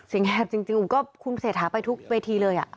แหบจริงก็คุณเศรษฐาไปทุกเวทีเลย